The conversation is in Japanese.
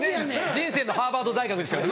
人生のハーバード大学ですからね。